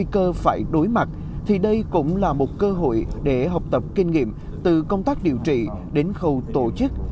cơ phải đối mặt thì đây cũng là một cơ hội để học tập kinh nghiệm từ công tác điều trị đến khâu tổ chức